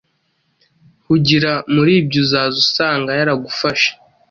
Hugira muribyo uzaza usanga yaragufahe